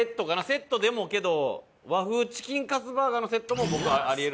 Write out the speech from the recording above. セットでもけど和風チキンカツバーガーのセットも僕はあり得ると思います。